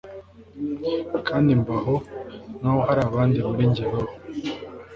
Kandi mbaho nkaho hari abandi muri njye babaho